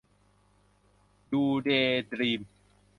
ดู เดย์ ดรีม